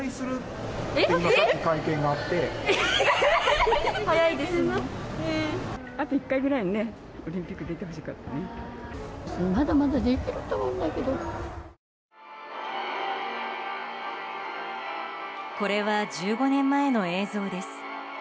これは１５年前の映像です。